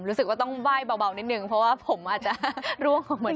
รู้สึกว่าต้องไหว้เบานิดนึงเพราะว่าผมอาจจะร่วงเหมือน